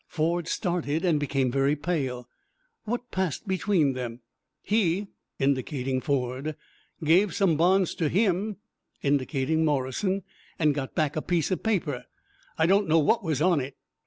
Ford started and became very pale. "What passed between them?" "He," indicating Ford, "gave some bonds to him," indicating Morrison, "and got back a bit of paper. I don't know what was on it."